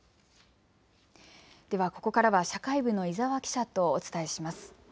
では、ここからは社会部の伊沢記者とお伝えします。